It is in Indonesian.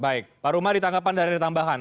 baik pak rumadi tanggapan dari ditambahan